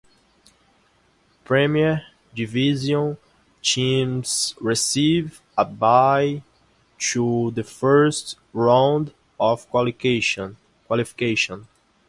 Premier Division teams receive a bye to the First Round of Qualification.